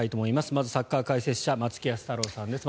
まずサッカー解説者松木安太郎さんです。